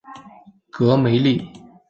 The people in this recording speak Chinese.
戈梅利。